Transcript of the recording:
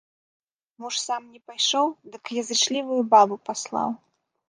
Муж сам не пайшоў, дык язычлівую бабу прыслаў.